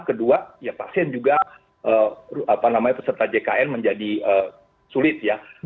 kedua ya pasien juga peserta jkn menjadi sulit ya